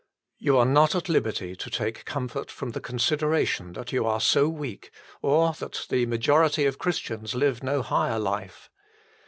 You are not at liberty to take comfort from the consideration that you are so weak, or that the majority of Christians live no higher life.